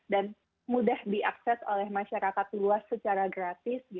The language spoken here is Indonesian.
dan mudah diakses oleh masyarakat luas secara gratis